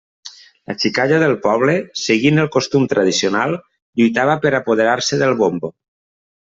La xicalla del poble, seguint el costum tradicional, lluitava per apoderar-se del bombo.